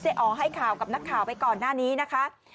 อ๋อให้ข่าวกับนักข่าวไปก่อนหน้านี้นะคะ